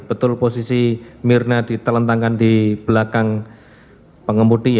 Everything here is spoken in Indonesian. betul posisi mirna ditelentangkan di belakang pengemudi